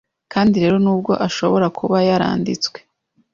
Kandi rero nubwo ashobora kuba yaranditswe